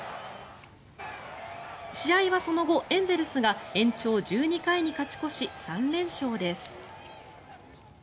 試合はその後エンゼルスが延長１２回に勝ち越し、３連勝です。